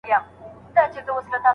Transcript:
پر غصه باندي وخت تيرېدل، غصه نه سړوي.